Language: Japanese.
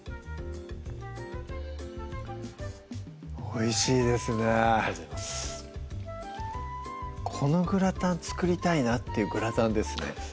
おいしいですねありがとうございますこのグラタン作りたいなっていうグラタンですね